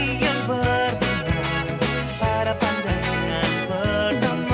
hati yang bertengger para pandangan pertama